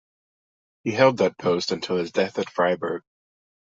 He held that post until his death at Freiburg.